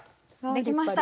できました！